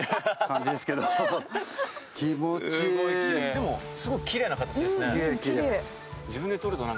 でもすごいきれいな形ですね。